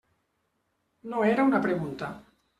No era una pregunta.